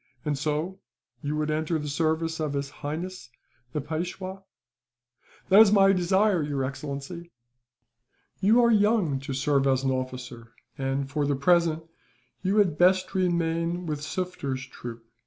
"And so, you would enter the service of His Highness, the Peishwa?" "That is my desire, your excellency." "You are young to serve as an officer and, for the present, you had best remain with Sufder's troop.